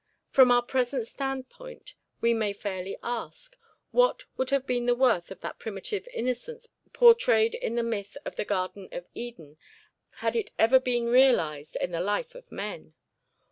From our present standpoint we may fairly ask, what would have been the worth of that primitive innocence portrayed in the myth of the Garden of Eden, had it ever been realized in the life of men?